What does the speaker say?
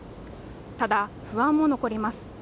ただ不安も残ります